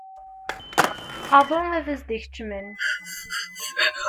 Aḍu ad s-d-ikeččem.